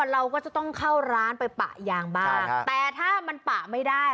เราก็จะต้องเข้าร้านไปปะยางบ้างแต่ถ้ามันปะไม่ได้